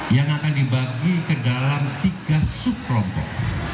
yang akan dibagi ke dalam tiga sub kelompok